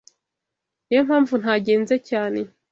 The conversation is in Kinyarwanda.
Niyo mpamvu ntagenze cyane.